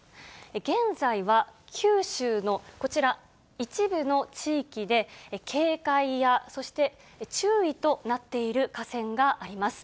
現在は九州のこちら、一部の地域で、警戒やそして注意となっている河川があります。